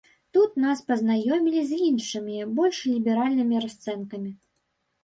Тут нас пазнаёмілі з іншымі, больш ліберальнымі расцэнкамі.